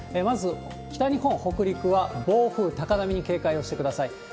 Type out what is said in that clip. まず、北日本、北陸は暴風、高波に警戒をしてください。